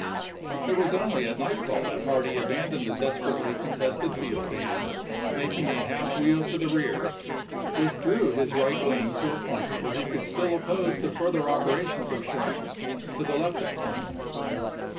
1 It was only at nightfall that Hardee abandoned the desperately contested field and, making a half wheel to the rear, withdrew his right wing to a point where he could still oppose the further opera tions of Sherman to the left flank.